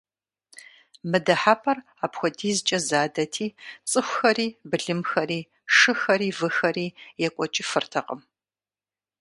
Мы дыхьэпӏэр апхуэдизкӏэ задэти, цӏыхухэри, былымхэри, шыхэри, выхэри екӏуэкӏыфыртэкъым.